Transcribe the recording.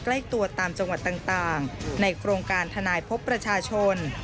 ใกล้ตัวตามจังหวัดต่างในโครงการทนายพบประชาชน